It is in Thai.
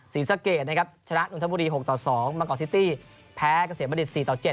ศรีสะเกตนะครับชนะนุนทบุรี๖๒มัลกอล์ซิตี้แพ้เกษียบรรดิ๔๗